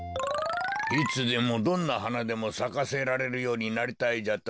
いつでもどんなはなでもさかせられるようになりたいじゃと？